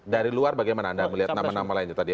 dari luar bagaimana anda melihat nama nama lainnya tadi